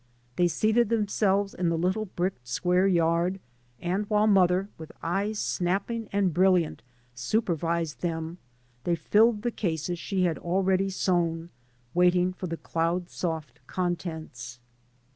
They seated themselves in the little bricked square yard, and while mother, with eyes snapping and brilliant, supervised them, they filled the cases she had already sewn, waiting for the cloud soft contents.